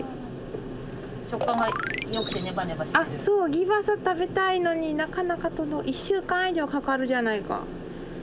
ぎばさ食べたいのになかなか１週間以上かかるじゃないか。